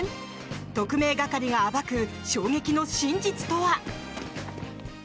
特命係が暴く衝撃の真実とは？